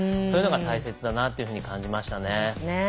そういうのが大切だなというふうに感じましたね。